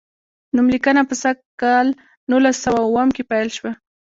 نوم لیکنه په کال نولس سوه اووم کې پیل شوه.